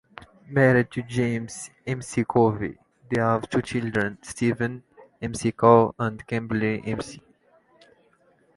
Married to James McCoy, they have two children: Steven McCoy and Kimberly McCoy.